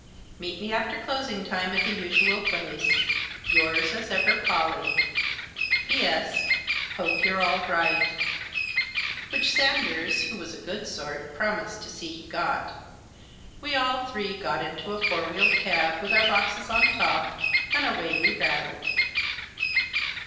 Meet me after closing time at the usual place. Yours, as ever, Pollie. P.S.—Hope you're all right "— which Sanders, who was a good sort, promised to see he got — we all three got into a four wheeled cab, with our boxes on top, and away we rattled.